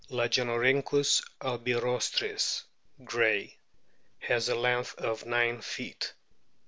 Lagenorhynchus albirostris, Gray,* has a length of 9 feet.